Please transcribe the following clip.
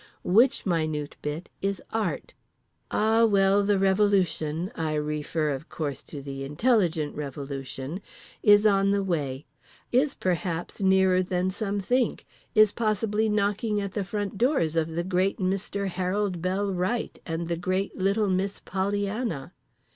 Which minute bit is Art. Ah well, the revolution—I refer of course to the intelligent revolution—is on the way; is perhaps nearer than some think, is possibly knocking at the front doors of The Great Mister Harold Bell Wright and The Great Little Miss Pollyanna.